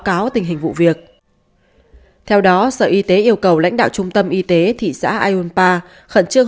cáo tình hình vụ việc theo đó sở y tế yêu cầu lãnh đạo trung tâm y tế thị xã ayunpa khẩn trương